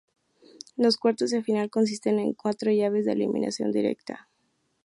Los cuartos de final consisten en cuatro llaves de eliminación directa.